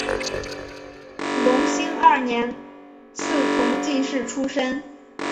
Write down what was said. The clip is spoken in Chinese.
隆兴二年赐同进士出身。